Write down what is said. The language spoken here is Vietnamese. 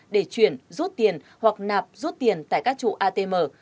để chuyển rút tiền hoặc nạp rút tiền tại các trụ atm